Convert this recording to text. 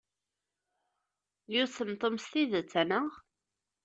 Yussem Tom s tidet, anaɣ?